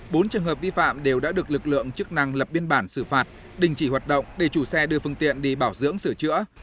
bốn trường hợp vi phạm đều đã được lực lượng chức năng lập biên bản xử phạt đình chỉ hoạt động để chủ xe đưa phương tiện đi bảo dưỡng sửa chữa